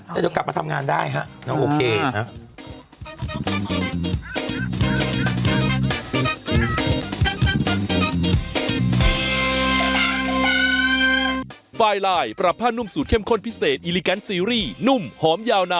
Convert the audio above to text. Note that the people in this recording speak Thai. แต่เดี๋ยวกลับมาทำงานได้ฮะน้องโอเค